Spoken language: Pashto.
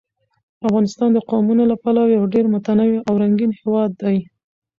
افغانستان د قومونه له پلوه یو ډېر متنوع او رنګین هېواد دی.